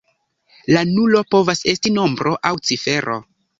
La nulo povas esti nombro aŭ cifero.